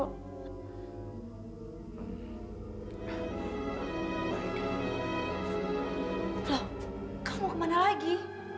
loh kamu kemana lagi